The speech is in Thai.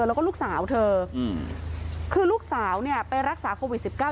แล้วก็ลูกสาวเธออืมคือลูกสาวเนี่ยไปรักษาโควิดสิบเก้า